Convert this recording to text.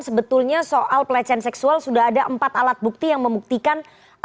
sebetulnya soal pelecehan seksual sudah ada empat alat bukti yang membuktikan